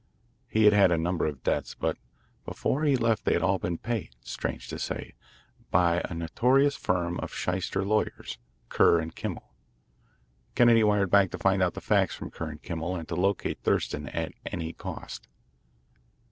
He had had a number of debts, but before he left they had all been paid strange to say, by a notorious firm of Shyster lawyers, Kerr & Kimmel. Kennedy wired back to find out the facts from Kerr & Kimmel and to locate Thurston at any cost.